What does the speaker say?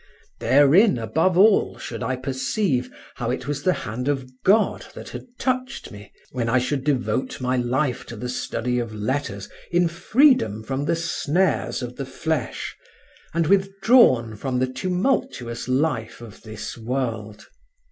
Therein above all should I perceive how it was the hand of God that had touched me, when I should devote my life to the study of letters in freedom from the snares of the flesh and withdrawn from the tumultuous life of this world.